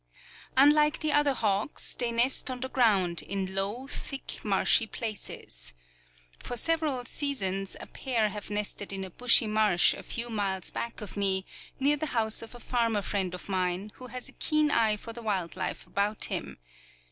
Unlike the other hawks, they nest on the ground in low, thick marshy places. For several seasons a pair have nested in a bushy marsh a few miles back of me, near the house of a farmer friend of mine, who has a keen eye for the wild life about him.